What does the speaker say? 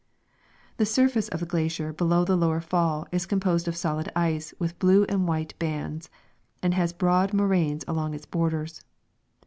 The surface of the glacier below the lower fall is composed of solid ice with blue arid white bands, and has broad moraines along its borders.